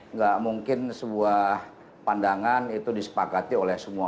nggak mungkin sebuah pandangan itu disepakati oleh semua